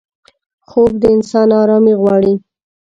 خوب د انسان آرامي غواړي